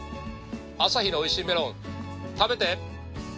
旭のおいしいメロン食べて！